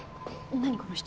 何この人？